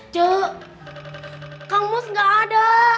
cok kang mus nggak ada